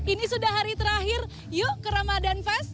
ini sudah hari terakhir yuk ke ramadan fest